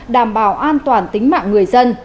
đảm bảo an toàn tính mạng người dân